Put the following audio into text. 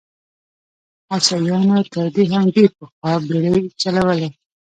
اسیایانو تر دې هم ډېر پخوا بېړۍ چلولې.